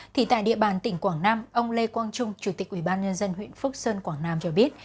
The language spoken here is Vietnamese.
thì tại địa bàn tỉnh quảng nam ông lê quang trung chủ tịch ubnd huyện phước sơn quảng nam cho biết